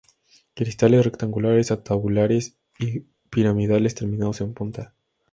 Cristales rectangulares a tabulares, o piramidales terminados en punta.